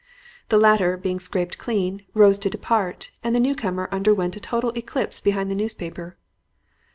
The latter, being scraped clean, rose to depart, and the newcomer underwent a total eclipse behind the newspaper.